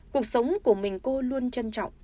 cuộc sống của mình cô luôn trân trọng